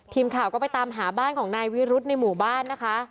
ทีมข่าวก็ไปตามหาบ้านของนายวิรุธในหมู่บ้านนะคะ